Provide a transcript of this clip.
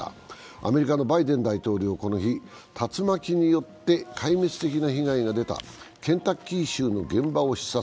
アメリカのバイデン大統領はこの日、竜巻によって壊滅的な被害が出たケンタッキー州の現場を視察。